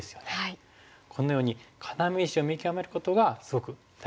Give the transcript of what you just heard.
このように要石を見極めることがすごく大事で。